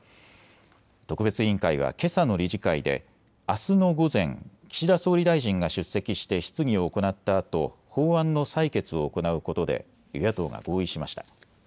特別委員会はけさの理事会であすの午前、岸田総理大臣が出席して質疑を行ったあと法案の採決を行うことで与野党が合意しました。